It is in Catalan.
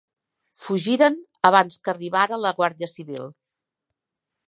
Fugiren abans que arribara la Guàrdia Civil.